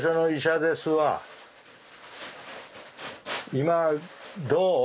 今どう？